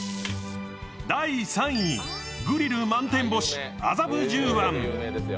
第３位、グリル満天星麻布十番。